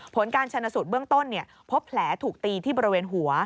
ผลการชนสูตรเบื้องต้นพบแผลถูกตีที่บริเวณหัว